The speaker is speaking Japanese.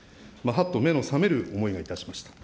はっと目の覚める思いがいたしました。